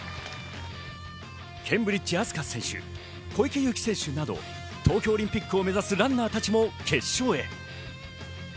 ケンブリッジ飛鳥選手、小池祐貴選手など東京オリンピックを目指すランナーたちも決勝へ。